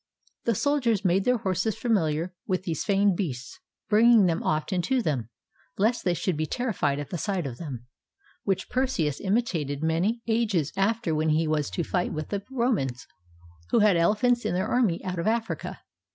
The sol diers made their horses familiar with these feigned beasts by bringing them often to them, lest they should be terri fied at the sight of them ; which Perseus imitated many ages after when he was to fight with the Romans, who had elephants in their army out of Africa.